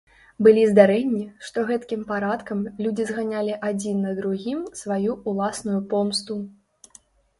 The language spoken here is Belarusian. Былі здарэнні, што гэткім парадкам людзі зганялі адзін на другім сваю ўласную помсту.